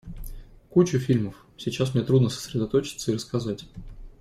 Кучу фильмов — сейчас мне трудно сосредоточиться и рассказать.